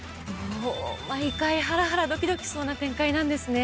お毎回ハラハラドキドキしそうな展開なんですね。